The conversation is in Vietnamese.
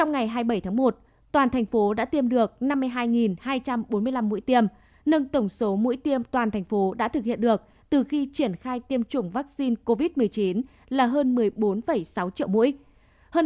ngày hai mươi bảy tháng một toàn thành phố đã tiêm được năm mươi hai hai trăm bốn mươi năm mũi tiêm nâng tổng số mũi tiêm toàn thành phố đã thực hiện được từ khi triển khai tiêm chủng vaccine covid một mươi chín là hơn một mươi bốn sáu triệu mũi